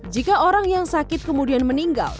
jika orang yang sakit kemudian meninggal